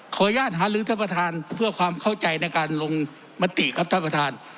ขออนุญาตหาลือท่านประธานเพื่อความเข้าใจในการลงมติครับท่านประธาน